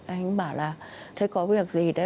anh bảo là thế có việc gì đấy